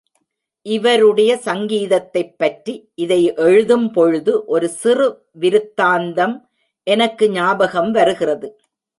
இவருடைய சங்கீதத்தைப் பற்றி, இதையெழுதும் பொழுது ஒரு சிறு விருத்தாந்தம் எனக்கு ஞாபகம் வருகிறது.